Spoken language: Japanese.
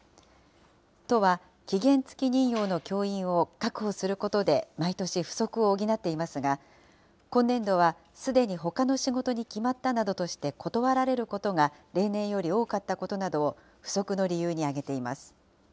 都は期限付き任用の教員を確保することで、毎年不足を補っていますが、今年度はすでにほかの仕事に決まったなどとして断られることが例年より多かったことなどを不足の理由に挙げています。